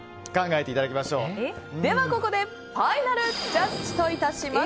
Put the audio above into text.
ではここでファイナルジャッジといたします。